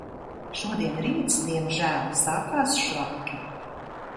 Šodien rīts, diemžēl, sākās švaki.